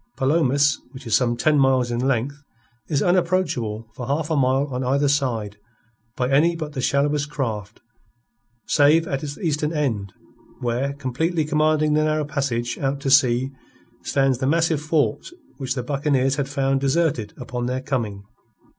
Palomas, which is some ten miles in length, is unapproachable for half a mile on either side by any but the shallowest craft save at its eastern end, where, completely commanding the narrow passage out to sea, stands the massive fort which the buccaneers had found deserted upon their coming.